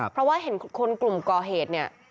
เพราะว่าเห็นคนกลุ่มก่อเหตุเนี่ย